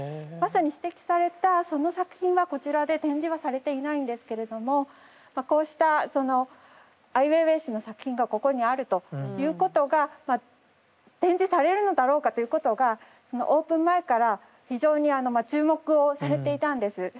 まさに指摘されたその作品はこちらで展示はされていないんですけれどもこうしたそのアイウェイウェイ氏の作品がここにあるということが展示されるのだろうかということがオープン前から非常にあのまあ注目をされていたんです。